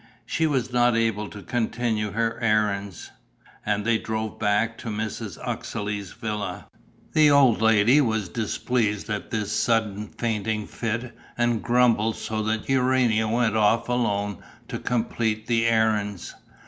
She was not able to continue her errands; and they drove back to Mrs. Uxeley's villa. The old lady was displeased at this sudden fainting fit and grumbled so that Urania went off alone to complete the errands.